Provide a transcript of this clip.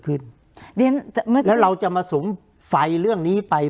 คุณลำซีมัน